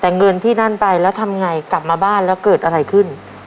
แต่เงินที่นั่นไปแล้วทำไงกลับมาบ้านแล้วเกิดอะไรขึ้น